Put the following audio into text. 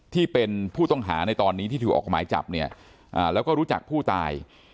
ที่เป็นผู้ต้องหาในตอนนี้ที่ถูกออกหมายจับเนี่ยแล้วก็รู้จักผู้ตาย